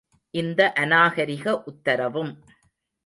இந்த அநாகரிக உத்தரவும்.